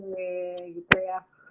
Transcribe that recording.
oke gitu ya